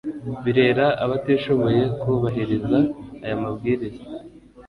birera abatishoboye kubahiriza aya mabwiriza